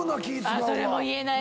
それも言えない。